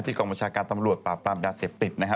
กองบัญชาการตำรวจปราบปรามยาเสพติดนะฮะ